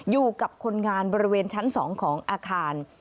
อยู่กับคนงานบริเวณชั้น๒ของอาคาร